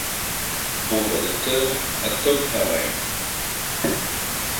Envoi d'auteur à Tom Harel.